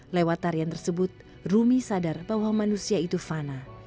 lewat tarian tersebut rumi sadar bahwa manusia itu fana